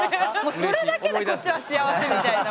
それだけでこっちは幸せみたいな。